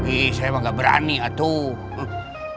ih saya mah gak berani atuh